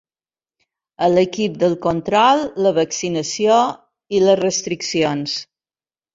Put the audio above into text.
A l’equip del control, la vaccinació i les restriccions.